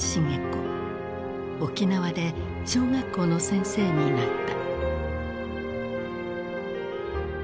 沖縄で小学校の先生になった。